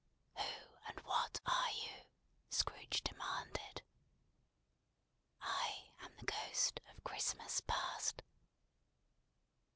"Who, and what are you?" Scrooge demanded. "I am the Ghost of Christmas Past."